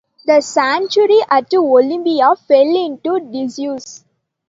The sanctuary at Olympia fell into disuse.